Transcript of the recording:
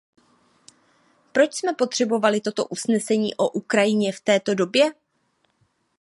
Proč jsme potřebovali toto usnesení o Ukrajině v této době?